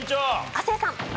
亜生さん。